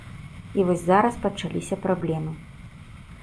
І вось зараз пачаліся праблемы.